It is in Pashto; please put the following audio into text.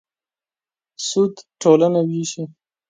سود ټولنه وېشي.